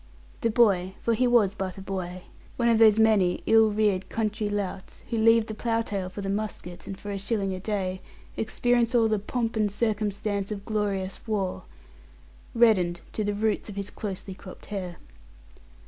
The boy for he was but a boy, one of those many ill reared country louts who leave the plough tail for the musket, and, for a shilling a day, experience all the "pomp and circumstance of glorious war" reddened to the roots of his closely cropped hair.